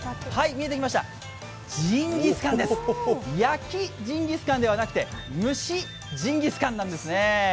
見えてきました、ジンギスカンです焼きジンギスカンではなくて蒸ジンギスカンなんですね。